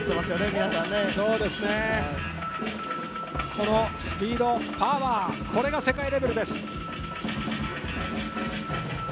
このスピード、パワー、これが世界レベルです。